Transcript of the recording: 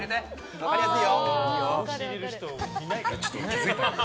分かりやすい。